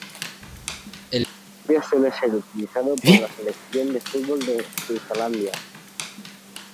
El estadio suele ser utilizado por la Selección de fútbol de Suazilandia.